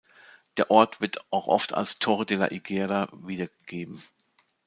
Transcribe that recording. Der Ort wird auch oft als Torre de la Higuera wiedergegeben.